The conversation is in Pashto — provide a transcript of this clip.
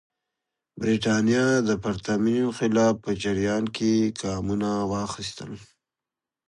برېټانیا د پرتمین انقلاب په جریان کې ګامونه واخیستل.